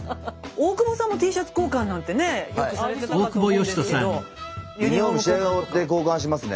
大久保さんもＴシャツ交換なんてねよくされてたかと思うんですけど。